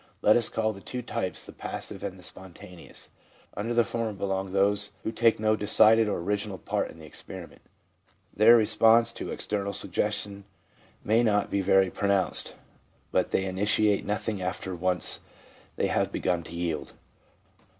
Let us call the two types the passive and the spontaneous. Under the former belong those who take no decided or original part in the ex periment. Their response to external suggestion may not be very pronounced, but they initiate nothing after; once they have begun to yield.